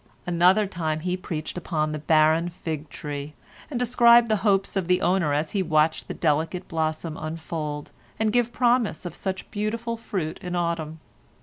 Another time he preached upon the barren fig tree, and described the hopes of the owner as he watched the delicate blossom unfold, and give promise of such beautiful fruit in autumn.